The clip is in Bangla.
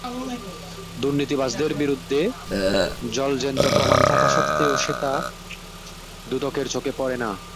দুর্নীতিবাজদের বিরুদ্ধে জলজ্যান্ত প্রমাণ থাকা সত্ত্বেও সেটা দুদকের চোখে পড়ে না।